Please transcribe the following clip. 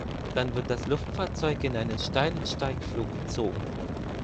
Dann wird das Luftfahrzeug in einen steilen Steigflug gezogen.